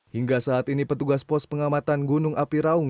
hingga saat ini petugas pos pengamatan gunung api raung